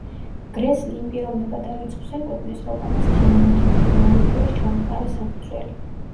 გრესლი იმ პიროვნებათა რიცხვს ეკუთვნის, რომელმაც თანამედროვე გეოლოგიას ჩაუყარა საფუძველი.